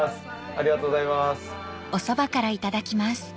ありがとうございます。